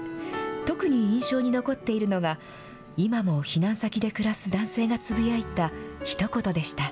特に印象に残っているのが、今も避難先で暮らす男性がつぶやいたひと言でした。